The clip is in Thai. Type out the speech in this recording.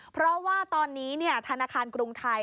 เพราะว่าตอนนี้ธนาคารกรุงไทย